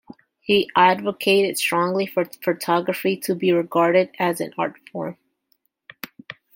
He advocated strongly for photography to be regarded as an art form.